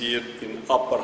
jadi ini tidak berat